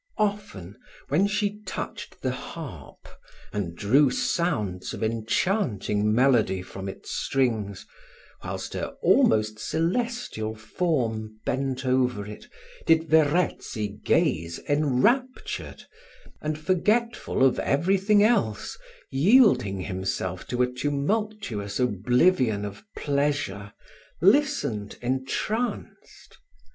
Often, when she touched the harp, and drew sounds of enchanting melody from its strings, whilst her almost celestial form bent over it, did Verezzi gaze enraptured, and, forgetful of every thing else, yielding himself to a tumultuous oblivion of pleasure, listened entranced.